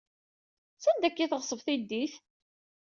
Sanda akka ay teɣṣeb tiddit?